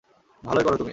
ভালোই করো তুমি।